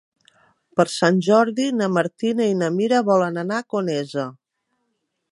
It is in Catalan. Per Sant Jordi na Martina i na Mira volen anar a Conesa.